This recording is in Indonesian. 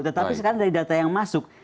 tetapi sekarang dari data yang masuk